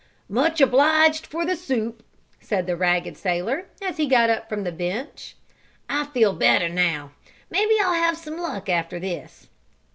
"Much obliged for the soup," said the ragged sailor, as he got up from the bench. "I feel better now. Maybe I'll have some luck after this."